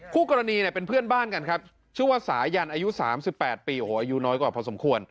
คู่กรณีเนี่ยเป็นเพื่อนบ้านกันครับชื่อว่าสายันอายุ๓๘ปีโอ้โหอายุน้อยกว่าพอสมควร